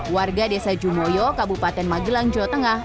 warga desa jumoyo kabupaten magelang jawa tengah